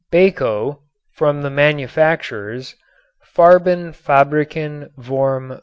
Bayko (from the manufacturers, Farbenfabriken vorm.